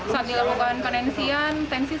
saat dilakukan penensian tensi satu ratus delapan puluh